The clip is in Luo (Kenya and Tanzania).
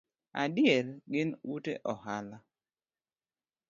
Adiera, gin ute ohala